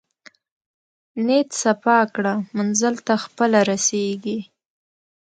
نیت صفاء کړه منزل ته خپله رسېږې.